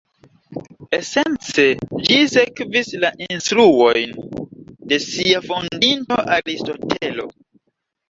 Esence, ĝi sekvis la instruojn de sia fondinto Aristotelo.